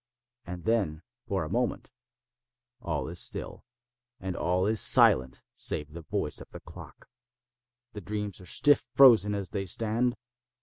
And then, for a moment, all is still, and all is silent save the voice of the clock. The dreams are stiff frozen as they stand.